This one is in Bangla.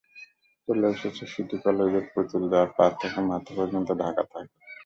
চলে এসেছে সিটি কলেজের পুতুল যার পা থেকে মাথা পর্যন্ত ডাকা থাকে!